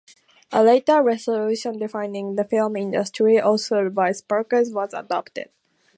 A later resolution defending the film industry, authored by Sparks, was adopted.